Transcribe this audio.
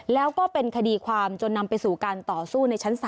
แล้วก็เป็นคดีความจนนำไปสู่การต่อสู้ในชั้น๓